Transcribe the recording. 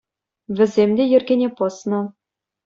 Вӗсем те йӗркене пӑснӑ.